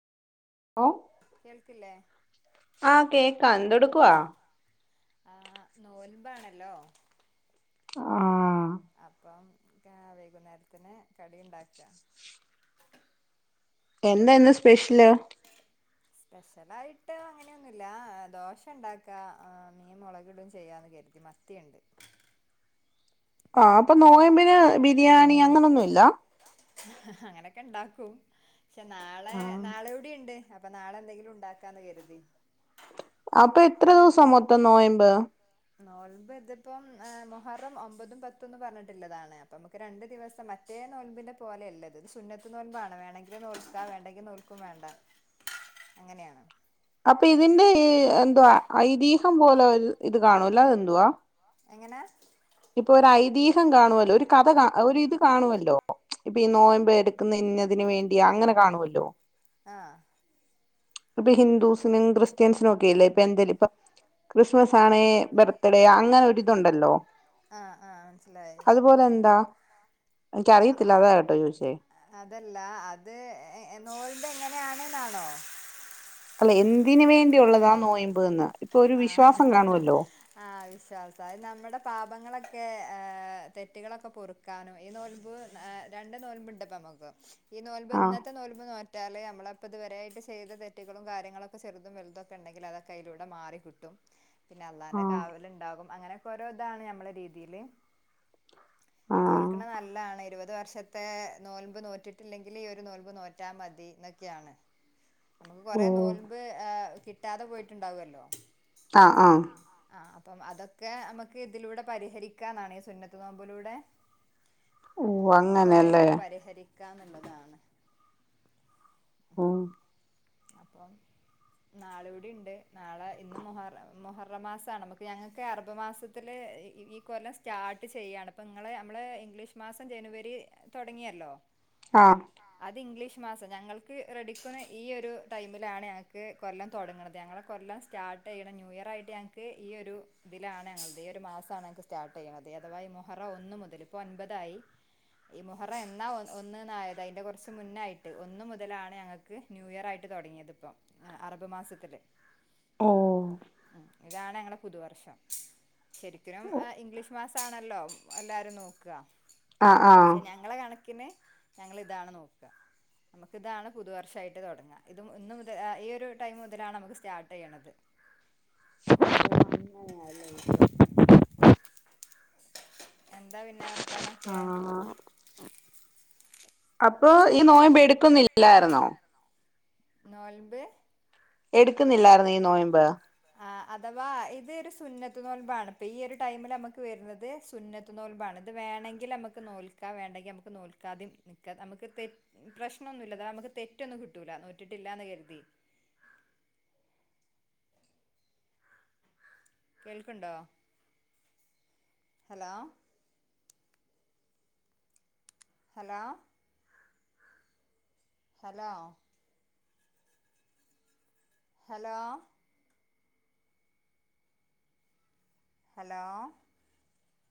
O കേൾക്കില്ലേ ആ കേക്കാ എന്തെടുക്കവാ ആ നോൽമ്പാണല്ലോ, ആഹ് അപ്പം വൈകുന്നേരത്തിന് കടി ഉണ്ടാക്ക. എന്തന്ന് സ്പെഷ്യല് സ്പെഷ്യലായിട്ട് അങ്ങനെയൊന്നുമില്ല ദോശ ഉണ്ടാക മീൻ മുളകിടും ചെയ്യാന്ന് കരുതി മത്തി ണ്ട് ആഹ അപ്പൊ നോയ്മ്പ് ന് ബിരിയാണി അങ്ങനൊന്നുംല്ല അങ്ങനെയൊക്കെ ഇണ്ടാക്കും പക്ഷെ നാളെ നാളെ യൂടിണ്ട് അപ്പൊ നാളെ എന്തെങ്കിലും ഉണ്ടാക്കാന്ന് കരുതി. അപ്പൊ എത്ര ദിവസം മൊത്തം നോയമ്പ്. നോൽമ്പ് ഇതിപ്പം മൊഹറം ഒമ്പതും പത്തുംന്നും പറഞ്ഞിട്ടുള്ളതാണ്. അപ്പ നമുക്ക് രണ്ടു ദിവസം പക്ഷേ മറ്റേ നോൽമ്പിന്റെ പോലെയല്ലത് സുന്നത്ത് നോൽമ്പാണ് വേണെങ്കിൽ നോൽക്ക വേണ്ടെങ്കിൽ നോൽക്കും വേണ്ട. അങ്ങനെയാണ് അപ്പൊ ഇതിന്റെ എന്തുവാ ഐതിഹ്യം പോലെ ഇത് കാണൂല്ല അതെന്തുവാ എങ്ങനാ ഇപ്പൊ ഒരു ഐതിഹം കാണുവല്ലോ. ഒരു കഥ ഒ ഇത് കാണുവല്ലോ ഇപ്പൊ ഈ നോയമ്പ എടുക്കുന്ന ഇന്നതി വേണ്ടി അങ്ങനെ കാണുമല്ലോ ആഹ ഇപ്പൊ ഹിന്ദൂസിനും ക്രിസ്ത്യൻസിനും ഒക്കെല്ലേ ഇപ്പൊ എന്തേലും ഇപ്പൊ ക്രിസ്മസ് ആണെ ബർത്ത്ഡേ അങ്ങനെ ഒരിതുണ്ടല്ലോ ആഹ ആഹ മനസിലായി. അതുപോലെ എന്താ എനിക്കറിയത്തില്ല അതാ കേട്ടോ ചോദിച്ചേ അതല്ല അത് നോമ്പിന്റെ എങ്ങനെ [unintelligible] ആണെന്നാണോ എന്തിന് വേണ്ടിയള്ളതാ ആ നോയമ്പ്ന്ന് ആ ആ വിശ്വാസം അ നമ്മുടെ പാപങ്ങളൊക്കെ തെറ്റുകളൊക്കെ പൊറുക്കാനും ഈ നോൽമ്പ് രണ്ട് നോൽമ്പ ഉണ്ട്പ്പം. [unintelligible] ഈ നോൽമ്പ് ആഹ് ഇന്നത്തെ നോൽമ്പ് നോറ്റാല് നമ്മള അപ്പൊ ഇതുവരായിട്ട് ചെയ്ത തെറ്റുകളും കാര്യങ്ങളൊക്കെചെറു തും വലുതൊക്കെ ഉണ്ടെങ്കിൽ അതൊക്കെ അയിലൂടെ മാറി കിട്ടും. പിന്നെ അല്ലാന്റെ ആഹ് കാവല ഉണ്ടാകും. അങ്ങനെയൊക്കെ ഓരോ ഇതാണ് നമ്മളെ രീതിയില്. ആഹ് നോൽക്കണ നല്ലാണ് ഇരുപത്തി [unintelligible] വർഷത്തെ നോൽമ്പ് നോറ്റിട്ടില്ലെങ്കിൽ ഈ ഒരു നോൽമ്പ് നോറ്റാ മതിന്നൊക്കെയാണ്. നമുക്ക് ഓ കൊറെേ നോൽമ്പ് കിട്ടാതെ പോയിട്ടുണ്ടാവല്ലോ. ആ ആ അതൊക്കെ നമുക്ക് ഇതിലൂടെ പരിഹരിക്കാന്നാണ് ഈ സുന്നത്ത് നോമ്പലൂടെ ഓ അങ്ങനെല്ലേ ക്കാ എന്നുള്ളതാണ് ഉം അപ്പം നാളെ കൂടെ ഉണ്ട് നാളെ ഇന്ന് മോഹറ മൊഹറമാസമാണ് ഞങ്ങൾക്ക് അറബ് മാസത്തില് ഈ കൊല്ലം സ്റ്റാർട്ട് ചെയ്യാണ് അപ്പ നിങ്ങെ നമ്മള് ഇംഗ്ലീഷ് മാസം ജനുവരി തുടങ്ങിയല്ലോ ആഹ അത് ഇംഗ്ലീഷ് മാസം ഞങ്ങൾക്ക് റെഡിക്കുന്ന ഈ ഒരു ടൈമിലാണ് ഞങ്ങൾക്ക് കൊല്ലം തുടങ്ങുന്നത് ഞങ്ങളെ കൊല്ലം സ്റ്റാർട്ട് ചെയ്യണ ന്യൂ ഇയർ ആയിട്ട് ഞങ്ങൾക്ക് ഈ ഒരു ഇതിലാണ് ഞങ്ങളുടെ ഈ ഒരു മാസമാണ് ഞങ്ങക്ക് സ്റ്റാർട്ട് ചെയ്യണുന്നത് അഥവായി മുഹറ ഒന്ന മുതൽ ഇപ്പൾ ഒൻപതായി ഈ മുഹറം എന്നാ ഒന്നന്നായത് അതിന്റെ കുറച്ച് മുന്നായിട്ട് ഒന്ന മുതലാണ് ഞങ്ങൾക്ക് ന്യൂ ഇയർ ആയിട്ട് തുടങ്ങിയതിപ്പ അറബ് മാസത്തില് ഓ ഇതാണ് ഞങ്ങളുടെ പുതുവർഷം ശരിക്കും ഇംഗ്ലീഷ് മാസ ആണല്ലോ എല്ലാവരും നോക്കുക ആഹ് ആഹ് പക്ഷെ ഞങ്ങള കണ ക്കിന് ഞങ്ങളി താണ് നോക്കുക നമുക്കിതാണ് പുതുവർഷമായിട്ട് തുടങ്ങാം ഇത ഇന്ന് മുതൽ ഈ ഒരു ടൈം മുതലാണ് നമുക്ക് സ്റ്റാർട്ട് ചെയ്യണത് ല്ല [inaudible] എന്താ പിന്നെ വർത്താനൊക്കെ ആഹ് അപ്പൊ ഈ നോമ്പ എടുക്കുന്നില്ലായിരുന്നോ നോൽമ്പ് എടുക്കുന്നില്ലായിരുന്ന ഈ നോയിമ്പ് ആ അഥവാ ഇതരു സുന്നത്ത് നോൽബാണ് ഇപ്പോൾ ഈ ഒരു ടൈമിൽ നമുക്ക് വരുന്നത് സുന്നത്ത് നോൽബാണ് അത് വേണമെങ്കിൽ നമുക്ക് നോൽക്കാം വേണ്ടെങ്കിൽ നമുക്ക് നോൽക്കാതും നക്ക നമുക്ക് തെ പ്രശ്നൊന്നുമില്ലല്ല നക്ക് തെറ്റൊന്നും കിട്ടൂല നൂറ്റിട്ടില്ലന്ന് കരുതി കേൾക്കണ്ടോ hello hello hello hello hello